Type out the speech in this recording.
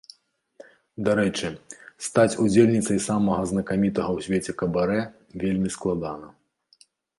Дарэчы, стаць удзельніцай самага знакамітага ў свеце кабарэ вельмі складана.